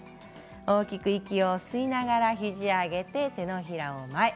大きく息を吸いながら肘を上げて手のひらを前。